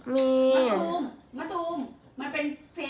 มีของมะตูมเฟซบุ๊กมีมะตูมมะตูมมันเป็นเฟซบุ๊ก